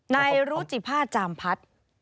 นายรุจิภาจามพัด